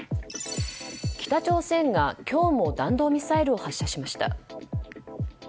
北朝鮮が今日も弾道ミサイルを発射しました。